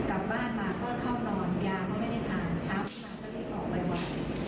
กลับบ้านมาก็เข้านอนยาก็ไม่ได้ทานเช้ามาก็เลยออกไปวัด